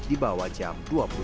di bawah jam dua puluh tiga